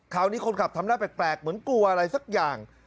คราวนี้คนขับทำหน้าแปลกเหมือนกลัวอะไรสักอย่าง